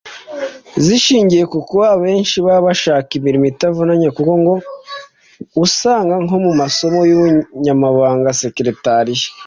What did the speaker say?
zishingiye ku kuba abenshi baba bashaka imirimo itavunanye kuko ngo usanga nko mu masomo y’ubunyamabanga [secretariat]